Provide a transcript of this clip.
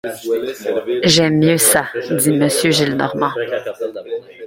J’aime mieux ça, dit Monsieur Gillenormand.